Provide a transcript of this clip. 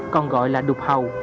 còn gọi là đục hầu